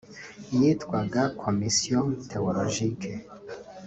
ryitwaga “Commission Théologique”